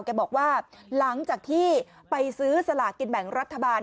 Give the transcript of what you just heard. แกบอกว่าหลังจากที่ไปซื้อสลากินแบ่งรัฐบาล